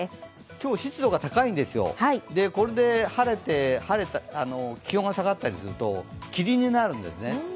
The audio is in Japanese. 今日、湿度が高いんですよ、これで晴れて気温が下がったりすると霧になるんですね。